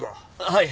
はい。